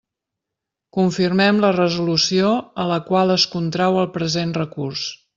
Confirmem la resolució a la qual es contrau el present recurs.